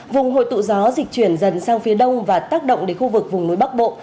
vùng hội tụ gió dịch chuyển dần sang phía đông và tác động đến khu vực vùng núi bắc bộ